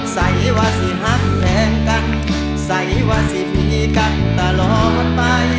ใส่วาสิหักแรงกันใส่ว่าสิมีกันตลอดไป